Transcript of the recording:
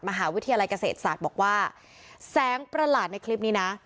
มหาวิทยาลัยเกษตรศาสตร์บอกว่าแสงประหลาดในคลิปนี้นะ